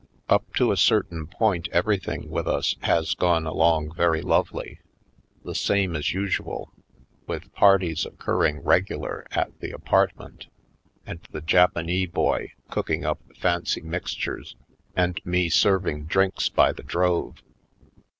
Up to a certain point everything with us has gone along very lovely, the same as us ual, with parties occurring regular at the apartment and the Japanee boy cooking up fancy mixtures, and me serving drinks by the drove.